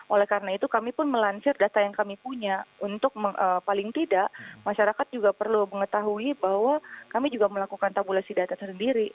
oleh karena itu kami pun melansir data yang kami punya untuk paling tidak masyarakat juga perlu mengetahui bahwa kami juga melakukan tabulasi data sendiri